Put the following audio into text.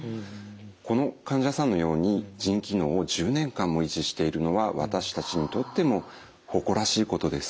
この患者さんのように腎機能を１０年間も維持しているのは私たちにとっても誇らしいことです。